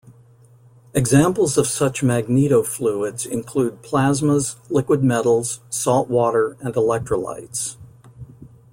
Examples of such magnetofluids include plasmas, liquid metals, salt water and electrolytes.